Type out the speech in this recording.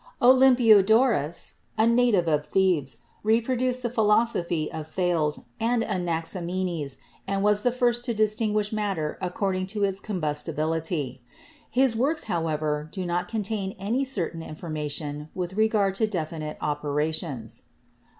Olympiodorus, a native of Thebes, reproduced the phi losophy of Thales and Anaximenes, and was the first to distinguish matter according to its combustibility. His works, however, do not contain any certain information with regard to definite operations.